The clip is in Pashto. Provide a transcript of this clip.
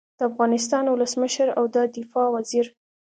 د افغانستان ولسمشر او د دفاع وزیر